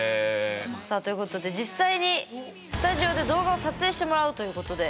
さあということで実際にスタジオで動画を撮影してもらうということで。